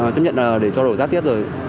chấp nhận là để cho đổ rác tiếp rồi